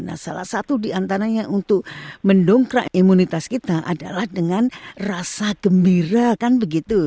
nah salah satu diantaranya untuk mendongkrak imunitas kita adalah dengan rasa gembira kan begitu